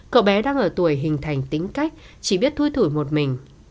cậu bé đang ở tuổi hình thành tính cách chỉ biết thui thủi một mình